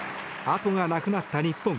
後がなくなった日本。